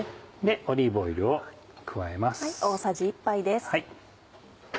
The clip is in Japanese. オリーブオイルを加えます。